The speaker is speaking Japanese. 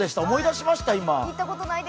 思い出しました、今。